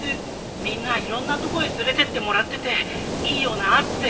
みんないろんなとこへ連れてってもらってていいよなあって。